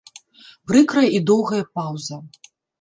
Прыкрая і доўгая паўза.